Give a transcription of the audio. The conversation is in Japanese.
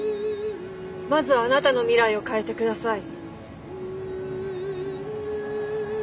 まずはあなたの未来を変えてください。